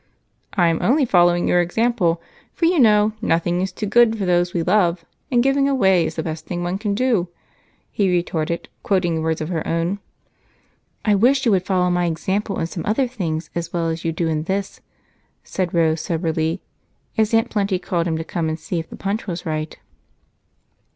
"I am only following your example, for you know 'nothing is too good for those we love, and giving away is the best thing one can do,'" he retorted, quoting words of her own. "I wish you would follow my example in some other things as well as you do in this," said Rose soberly as Aunt Plenty called him to come and see if the punch was right.